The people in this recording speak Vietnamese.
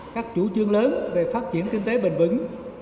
các chủ trương lớn về phát triển kinh tế bền vững